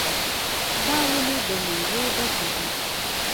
دا ونې د میوو ډکې دي.